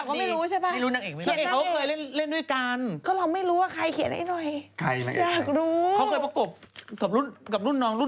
แต่หนูอยากรู้นางเอกพอบอกว่าเป็นอย่างงี้รู้แต่เออแต่นางเอกที่ว่ากินกันเองไม่รู้